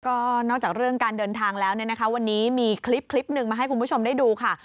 ก็นอกจากเรื่องการเดินทางแล้วเนี่ยนะคะวันนี้มีคลิปหนึ่งมาให้คุณผู้ชมได้ดูค่ะ